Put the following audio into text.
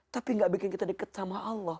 tapi tidak membuat kita dekat dengan allah